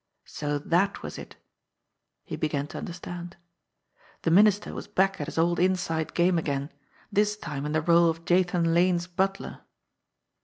So that was it! He began to understand. The Minister was back at his old inside game again this time in the role of Jathan Lane's butler